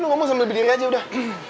ngomong sambil berdiri aja udah